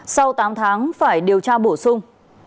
sau tám tháng phải điều tra bổ sung